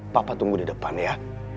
papa tunggu di depan ya